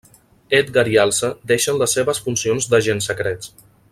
Edgar i Elsa deixen les seves funcions d'agents secrets.